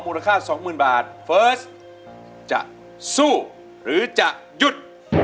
ค่าสองหมื่นบาทเฟิร์สจะสู้หรือจะหยุด